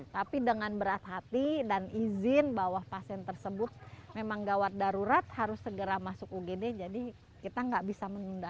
tapi dengan berat hati dan izin bahwa pasien tersebut memang gawat darurat harus segera masuk ugd jadi kita nggak bisa menunda